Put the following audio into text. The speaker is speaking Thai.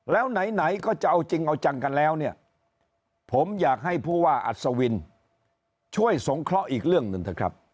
แล้วไหนก็จะเอาจริงเอาจังกันแล้วเนี่ยผมอยากให้ผู้ว่าอัศวินช่วยสงเคราะห์อีกเรื่องหนึ่งเถอะครับ